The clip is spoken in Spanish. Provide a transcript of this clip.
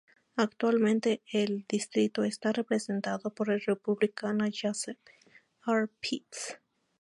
Actualmente el distrito está representado por el Republicano Joseph R. Pitts.